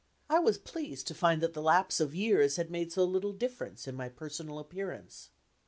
I was pleased to find that the lapse of years had made so little difference in my personal appearance.